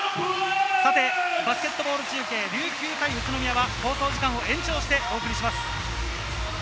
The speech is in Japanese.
さてバスケットボール中継、琉球対宇都宮は放送時間を延長してお送りします。